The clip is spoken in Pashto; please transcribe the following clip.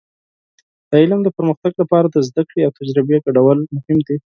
د علم د پرمختګ لپاره د زده کړې او تجربې ګډول مهم دي.